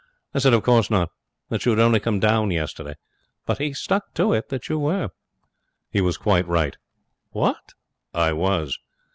I said of course not that you had only come down yesterday. But he stuck to it that you were.' 'He was quite right.' 'What!' 'I was.'